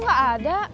kok gak ada